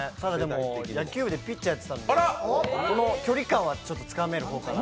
野球部でピッチャーやってたんで距離感はつかめる方かなと。